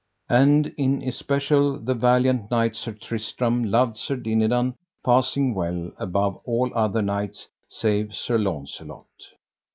And in especial, the valiant knight Sir Tristram loved Sir Dinadan passing well above all other knights save Sir Launcelot.